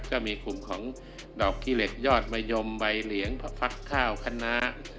ก็มีกลุ่มของดอกกี่เหล็กยอดมายมใบเหลี่ยงพลักใช้าวขนา